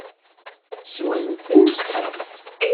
Swan-tent?